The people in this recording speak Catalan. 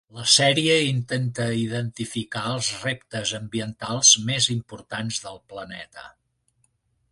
La sèrie intenta identificar els reptes ambientals més importants del planeta.